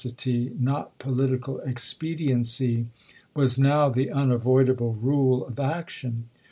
sity, not political expediency, was now the unavoid able rule of action.